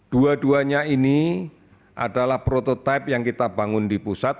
dua duanya ini adalah prototipe yang kita bangun di pusat